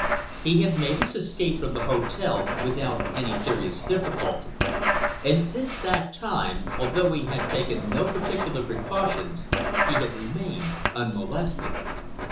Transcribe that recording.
He had made his escape from the hotel without any very serious difficulty, and since that time, although he had taken no particular precautions, he had remained unmolested.